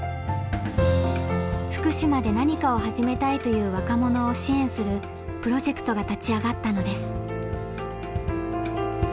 福島で何かを始めたいという若者を支援するプロジェクトが立ち上がったのです。